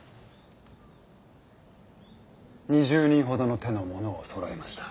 ２０人ほどの手の者をそろえました。